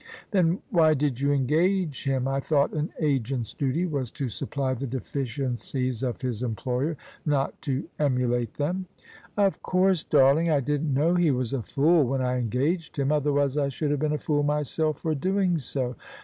"Then why did you engage him? I thought an agent's duty was to supply the deficiencies of his employer — ^not to emulate them." " Of course, darling, I didn't know he was a fool when I engaged him: otherwise I should have been a fool myself for doing so."